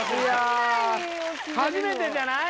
初めてじゃない？